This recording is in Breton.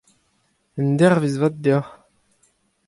Endervezh vat deoc'h.